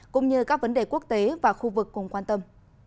cũng như các vấn đề quốc tế và khu vực cùng quan tâm